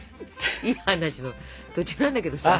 いい話の途中なんだけどさ。